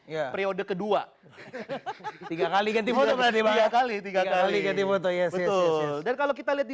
ya periode kedua tiga kali ganti foto berani tiga kali tiga kali ganti foto ya betul dan kalau kita lihat di